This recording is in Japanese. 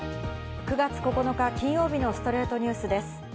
９月９日、金曜日の『ストレイトニュース』です。